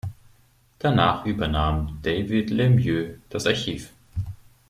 Danach übernahm David Lemieux das Archiv.